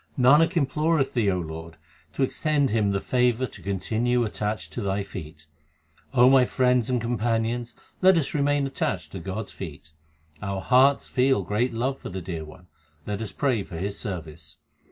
Nanak imploreth Thee, O Lord, to extend him the favour to continue attached to Thy feet. O my friends and companions, let us remain attached to God s feet. Our hearts feel great love for the Dear One ; let us pray for His service.